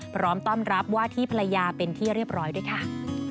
พร้อมต้อนรับว่าที่ภรรยาเป็นที่เรียบร้อยด้วยค่ะ